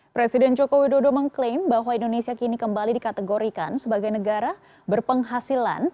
presiden joko widodo mengklaim bahwa indonesia kini kembali dikategorikan sebagai negara berpenghasilan